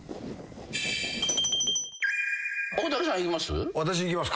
大竹さんいきます？